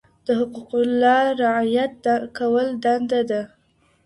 د حقوق الله رعایت کول دنده ده.